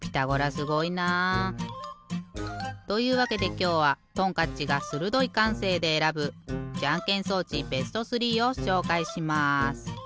すごいな。というわけできょうはトンカッチがするどいかんせいでえらぶじゃんけん装置ベスト３をしょうかいします。